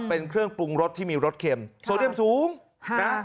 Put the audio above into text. เป็นเครื่องปรุงรสที่มีรสเข็มโซเดียมสูงนะ